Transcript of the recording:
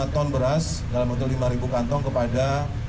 dua puluh lima ton beras dalam waktu lima ribu kantong kepada